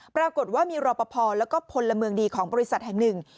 ปรากฏว่ามีรอปภแล้วก็พลเมืองดีของบริษัทแห่งหนึ่ง